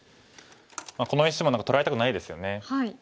この石も何か取られたくないですよね。